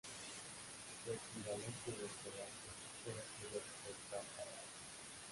Su equivalente en Eslovaquia era el periódico "Pravda".